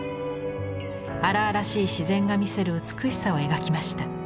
荒々しい自然が見せる美しさを描きました。